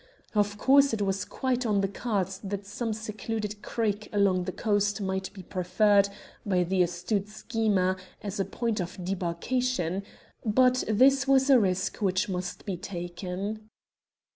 Of course it was quite on the cards that some secluded creek along the coast might be preferred by the astute schemer as a point of debarkation, but this was a risk which must be taken.